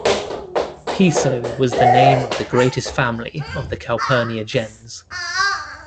"Piso" was the name of the greatest family of the Calpurnia gens.